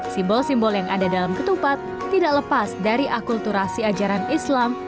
simbol simbol yang ada dalam ketupat tidak lepas dari akulturasi ajaran islam